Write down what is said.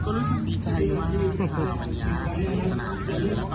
ก็รู้สึกดีใจว่าถ้าเรามันอยากติดตราคือ